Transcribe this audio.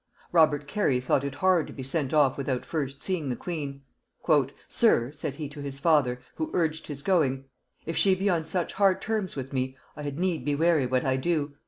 Robert Cary thought it hard to be sent off without first seeing the queen; "Sir," said he to his father, who urged his going, "if she be on such hard terms with me, I had need be wary what I do.